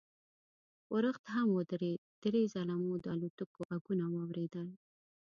ورښت هم ودرېد، درې ځله مو د الوتکو غږونه واورېدل.